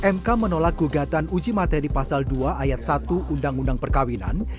mk menolak gugatan uji materi pasal dua ayat satu undang undang perkawinan